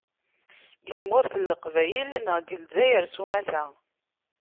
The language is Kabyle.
Deg tmurt n Leqbayel neɣ deg Lezzayer sumata.